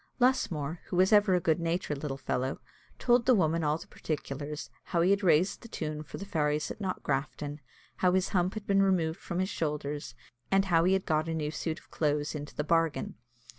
Lusmore, who was ever a good natured little fellow, told the woman all the particulars, how he had raised the tune for the fairies at Knockgrafton, how his hump had been removed from his shoulders, and how he had got a new suit of clothes into the bargain.